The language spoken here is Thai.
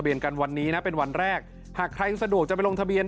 กันวันนี้นะเป็นวันแรกหากใครสะดวกจะไปลงทะเบียน